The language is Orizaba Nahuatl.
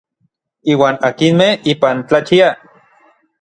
Iuan akinmej ipan tlachiaj.